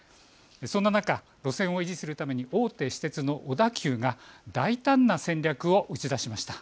そんな中、路線を維持するため大手私鉄の小田急が大胆な戦略を打ち出しました。